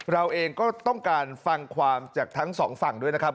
เราเองก็ต้องการฟังความจากทั้งสองฝั่งด้วยนะครับ